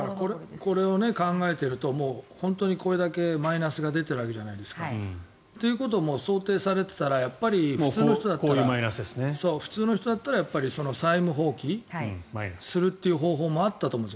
これを考えてると本当にこれだけマイナスが出てるわけじゃないですか。ということを想定されていたら普通の人だったら債務放棄するという方法もあったと思うんです。